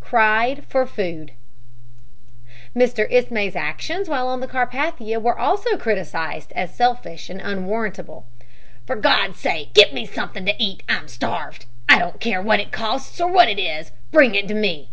CRIED FOR FOOD Mr. Ismay's actions while on the Carpathia were also criticised as selfish and unwarrantable. "For God's sake get me something to eat, I'm starved. I don't care what it costs or what it is. Bring it to me."